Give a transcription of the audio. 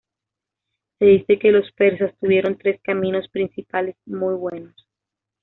Se dice que los persas tuvieron tres caminos principales muy buenos.